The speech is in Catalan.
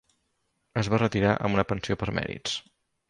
Es va retirar amb una pensió per mèrits.